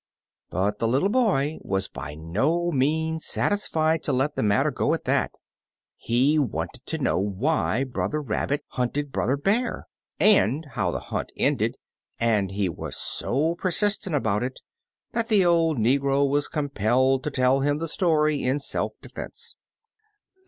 But the little boy was by no means satis fied to let the matter go at that. He wanted to know why Brother Rabbit hunted 7 Uncle Remus Returns Brother Bear, and how the hunt ended; and he was so persistent about it that the old negro was compelled to tell him the stoiy in self defense.